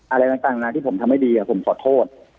อะไรต่างนะที่ผมทำให้ดีผมขอโทษ